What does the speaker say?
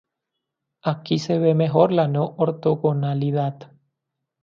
Aquí se ve mejor la no ortogonalidad.